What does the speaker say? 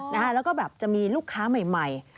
แล้วก็แบบจะมีลูกค้าใหม่